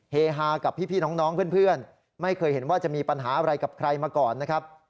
ฮากับพี่น้องเพื่อนไม่เคยเห็นว่าจะมีปัญหาอะไรกับใครมาก่อนนะครับ